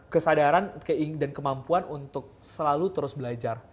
kesadaran dan kemampuan untuk selalu terus belajar